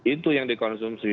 itu yang dikonsumsi